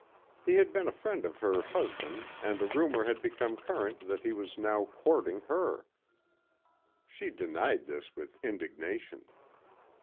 He had been a friend of her husband and a rumor had become current that he was now courting her. She denied this with indignation.